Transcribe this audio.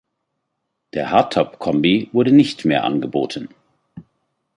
Der Hardtop-Kombi wurde nicht mehr angeboten.